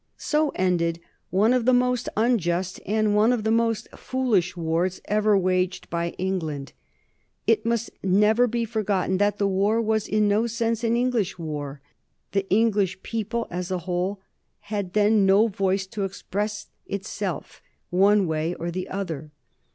So ended one of the most unjust and one of the most foolish wars ever waged by England. It must never be forgotten that the war was in no sense an English war. The English people as a whole had then no voice to express itself one way or the other.